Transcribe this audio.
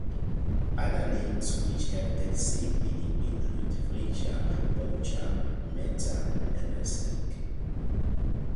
Other names which have the same meaning include Fleischer, Boucher, Metzger and Resnick.